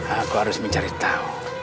aku harus mencari tahu